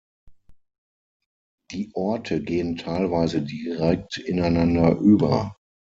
Die Orte gehen teilweise direkt ineinander über.